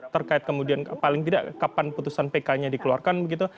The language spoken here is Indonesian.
terkait kemudian paling tidak kapan putusan pk nya dikeluarkan begitu